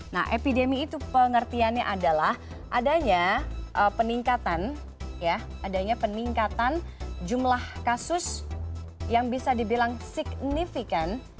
nah epidemi itu pengertiannya adalah adanya peningkatan jumlah kasus yang bisa dibilang signifikan